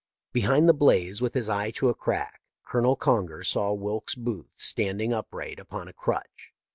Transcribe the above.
Behind the blaze, with his eye to a crack. Colonel Conger saw Wilkes Booth standing upright upon a crutch.